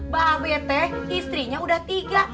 babe istrinya udah tiga